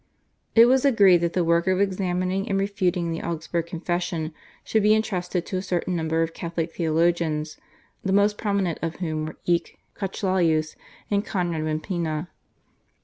It was agreed that the work of examining and refuting the Augsburg Confession should be entrusted to a certain number of Catholic theologians, the most prominent of whom were Eck, Cochlaeus, and Conrad Wimpina.